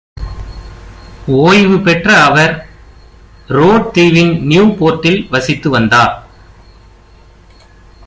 ஓய்வு பெற்ற அவர் ரோட் தீவின் நியூபோர்ட்டில் வசித்து வந்தார்.